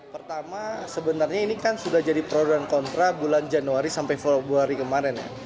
pertama sebenarnya ini kan sudah jadi pro dan kontra bulan januari sampai februari kemarin ya